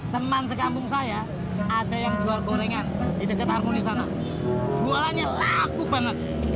teman sekampung saya ada yang jual gorengan di dekat harmoni sana jualannya laku banget